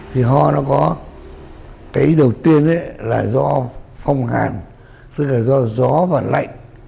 thì ho nó có cái đầu tiên là do phong hàn tức là do gió và lạnh